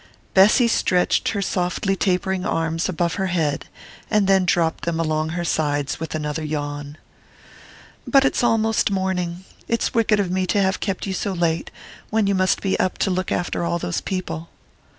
Bessy stretched her softly tapering arms above her head and then dropped them along her sides with another yawn. "But it's almost morning it's wicked of me to have kept you so late, when you must be up to look after all those people!"